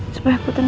supaya aku tenang